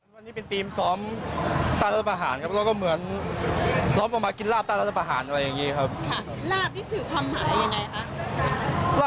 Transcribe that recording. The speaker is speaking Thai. แล้วก็ปรุงยังไงมีเทคนิคพิเศษอะไรยังไงบ้างคะ